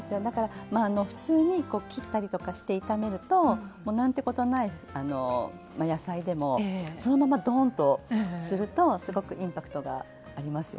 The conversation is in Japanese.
まああの普通に切ったりとかして炒めると何てことない野菜でもそのままドーンとするとすごくインパクトがありますよね。